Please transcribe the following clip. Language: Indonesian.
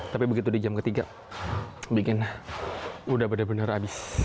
tapi begitu di jam ketiga bikin udah bener bener habis